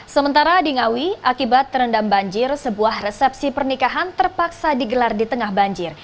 sementara di ngawi akibat terendam banjir sebuah resepsi pernikahan terpaksa digelar di tengah banjir